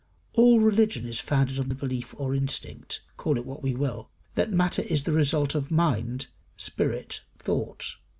All religion is founded on the belief or instinct call it what we will that matter is the result of mind, spirit, thought.